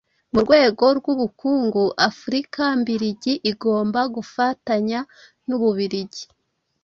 mu rwego rw'ubukungu, Afurika mbiligi igomba gufatanya n'Ububiligi; •